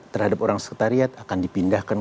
terhadap orang sekretariat akan dipindahkan